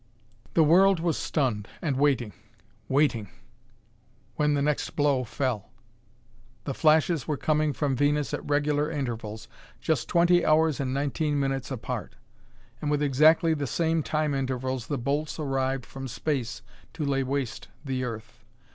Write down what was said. The world was stunned and waiting waiting! when the next blow fell. The flashes were coming from Venus at regular intervals, just twenty hours and nineteen minutes apart. And with exactly the same time intervals the bolts arrived from space to lay waste the earth.